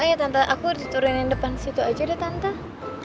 eh tante aku diturunkan depan situ aja deh tante